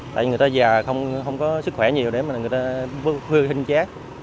tại vì người ta già không có sức khỏe nhiều để mà người ta vươn hình chát